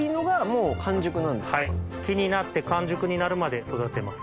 はい木になって完熟になるまで育てます。